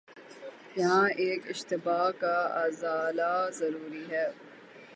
یہاں ایک اشتباہ کا ازالہ ضروری ہے۔